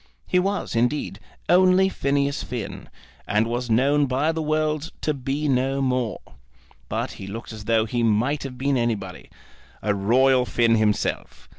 He was, indeed, only Phineas Finn, and was known by the world to be no more; but he looked as though he might have been anybody, a royal Finn himself.